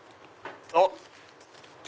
あっ！